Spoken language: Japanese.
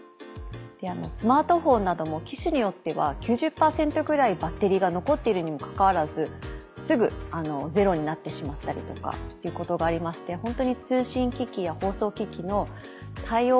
スマートフォンなども機種によっては９０％ぐらいバッテリーが残っているにもかかわらずすぐゼロになってしまったりとかいうことがありましてホントに通信機器や放送機器の対応